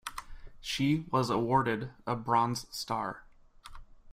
She was awarded a Bronze Star.